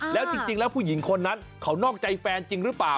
แล้วจริงแล้วผู้หญิงคนนั้นเขานอกใจแฟนจริงหรือเปล่า